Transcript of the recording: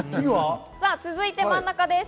続いて真ん中です。